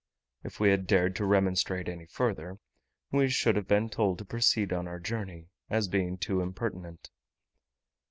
If we had dared to remonstrate any further, we should have been told to proceed on our journey, as being too impertinent.